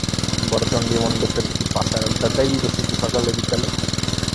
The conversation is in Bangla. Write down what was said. বড় চণ্ডীমণ্ডপে কি পাশার আড্ডাটাই বসিত সকালে বিকালে!